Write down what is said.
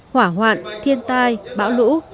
hỏa hoạn thiên tai bão lũ